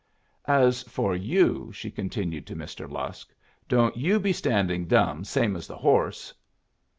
"As for you," she continued to Mr. Lusk, "don't you be standing dumb same as the horse."